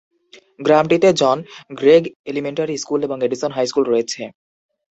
গ্রামটিতে John Greg elementary school এবং Edison high school রয়েছে।